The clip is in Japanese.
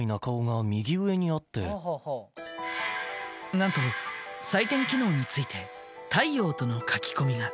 なんと採点機能について太陽との書き込みが。